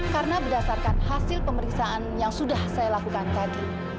karena berdasarkan hasil pemeriksaan yang sudah saya lakukan tadi